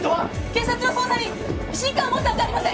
警察の捜査に不信感を持ったんじゃありませんか？